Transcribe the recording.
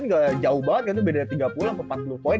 nggak jauh banget kan itu beda tiga puluh apa empat puluh poin